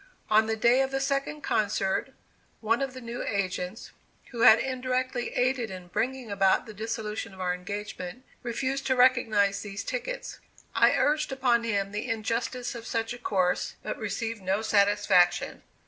On the day of the second concert, one of the new agents, who had indirectly aided in bringing about the dissolution of our engagement, refused to recognize these tickets. I urged upon him the injustice of such a course, but received no satisfaction.